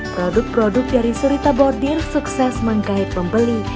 produk produk dari surita bordir sukses menggait pembeli